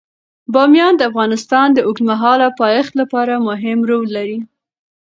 بامیان د افغانستان د اوږدمهاله پایښت لپاره مهم رول لري.